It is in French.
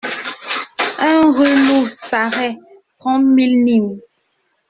un rue Lou Sarraie, trente mille Nîmes